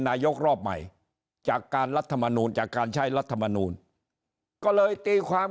นายกรอบใหม่จากการรัฐมนูลจากการใช้รัฐมนูลก็เลยตีความ